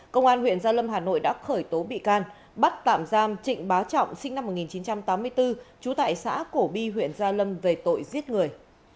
công an huyện gia lâm hà nội đã khởi tố bị can bắt tạm giam trịnh bá trọng sinh năm một nghìn chín trăm tám mươi bốn trú tại xã cổ bi huyện gia lâm về tội giết người